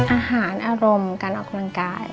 อารมณ์การออกกำลังกาย